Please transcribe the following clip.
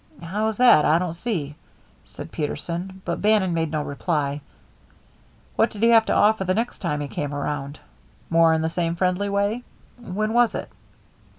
"How's that? I don't see," said Peterson; but Bannon made no reply. "What did he have to offer the next time he came around? More in the same friendly way? When was it?"